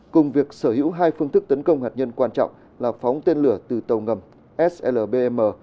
cùng việc sở hữu hai phương thức tấn công hạt nhân quan trọng là phóng tên lửa từ tàu ngầm slbm